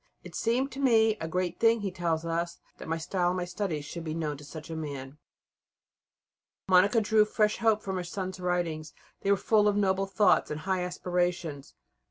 "It seemed to me a great thing," he tells us, "that my style and my studies should be known to such a man." Monica drew fresh hope from her son's writings. They were full of noble thoughts and high aspirations.